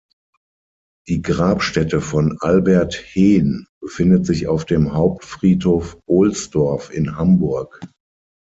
Die Grabstätte von Albert Hehn befindet sich auf dem Hauptfriedhof Ohlsdorf in Hamburg.